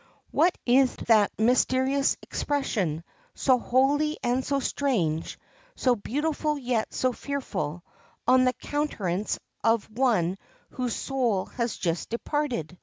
What is that mysterious expression, so holy and so strange, so beautiful yet so fearful, on the countenance of one whose soul has just departed?